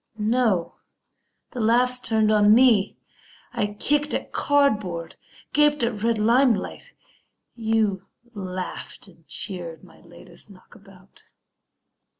No, the laugh's turned on me! I kicked at cardboard, gaped at red limelight; You laughed and cheered my latest knockabout.